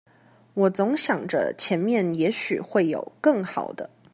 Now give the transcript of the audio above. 我總想著前面也許會有更好的